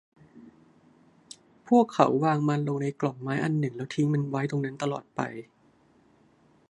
พวกเขาวางมันลงในกล่องไม้อันหนึ่งแล้วทิ้งมันไว้ตรงนั้นตลอดไป